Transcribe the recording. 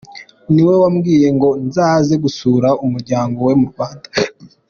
Ni we wambwiye ngo nzaze gusura umuryango we mu Rwanda.